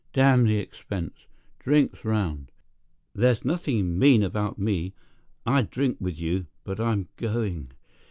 Damn the expense! Drinks round. There's nothing mean about me. I'd drink with you, but I'm going.